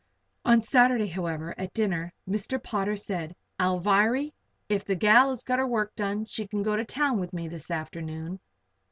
On Saturday, however, at dinner, Mr. Potter said: "Alviry, if the gal has got her work done she can go to town with me this afternoon."